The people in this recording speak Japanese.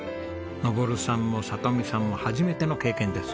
昇さんも里美さんも初めての経験です。